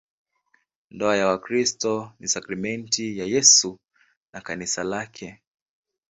Ndoa ya Wakristo ni sakramenti ya Yesu na Kanisa lake.